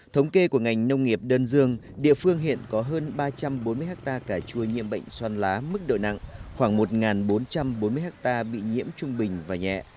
thống kê của ngành nông nghiệp đơn dương địa phương hiện có hơn ba trăm bốn mươi hectare cà chua nhiễm bệnh xoăn lá mức độ nặng khoảng một bốn trăm bốn mươi ha bị nhiễm trung bình và nhẹ